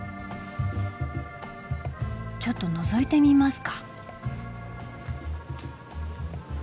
ちょっとのぞいてみますか！